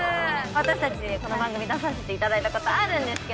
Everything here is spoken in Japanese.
私たちこの番組出させていただいたことあるんですけど。